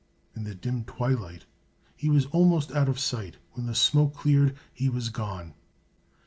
In the dim twilight he was almost out of sight. When the smoke cleared he was gone.